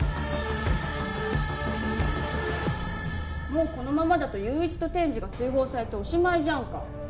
もうこのままだと友一と天智が追放されておしまいじゃんか。